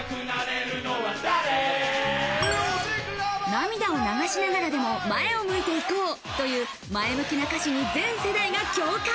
涙を流しながらでも前を向いて行こうという、前向きな歌詞に全世代が共感。